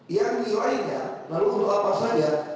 yang lainnya lalu untuk apa saja